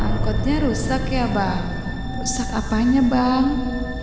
angkotnya rusak ya bang rusak apanya bang